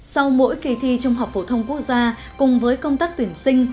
sau mỗi kỳ thi trung học phổ thông quốc gia cùng với công tác tuyển sinh